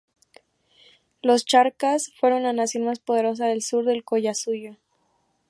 Los charcas fueron la nación más poderosa del sur del Collasuyo.